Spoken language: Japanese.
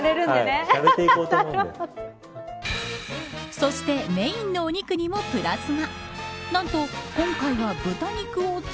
そしてメーンのお肉にもプラスが。